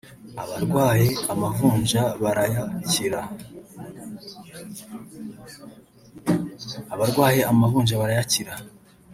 abarwaye amavunja barayakira